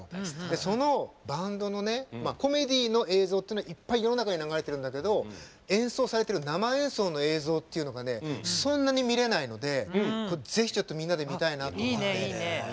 そのバンドのコメディーの映像っていうのはいっぱい世の中に流れてるんだけど演奏されている生演奏の映像っていうのがそんなに見れないのでぜひみんなで見たいなと思って。